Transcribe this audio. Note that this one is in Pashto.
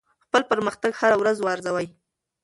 خپل پرمختګ هره ورځ وارزوئ.